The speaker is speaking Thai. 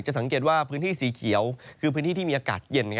สังเกตว่าพื้นที่สีเขียวคือพื้นที่ที่มีอากาศเย็น